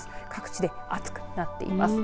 各地で暑くなっています。